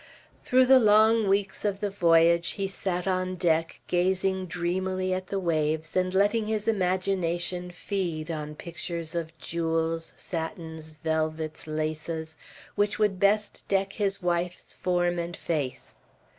Through the long weeks of the voyage he sat on deck, gazing dreamily at the waves, and letting his imagination feed on pictures of jewels, satins, velvets, laces, which would best deck his wife's form and face.